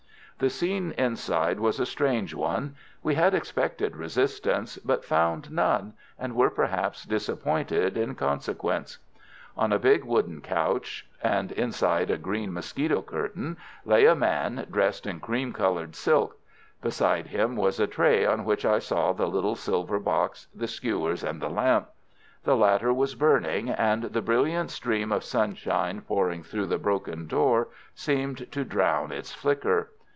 The scene inside was a strange one. We had expected resistance, but found none, and were perhaps disappointed in consequence. On a big wooden couch, and inside a green mosquito curtain, lay a man, dressed in cream coloured silk. Beside him was a tray on which I saw the little silver box, the skewers and the lamp. The latter was burning, and the brilliant stream of sunshine pouring through the broken door seemed to drown its flicker.